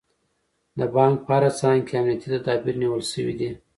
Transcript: د بانک په هره څانګه کې امنیتي تدابیر نیول شوي دي.